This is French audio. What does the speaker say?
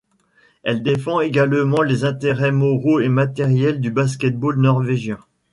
Elle défend également les intérêts moraux et matériels du basket-ball norvégien.